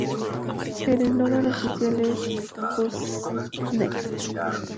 El eslogan oficial es: ""Who's next"?